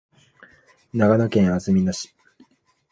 長野県安曇野市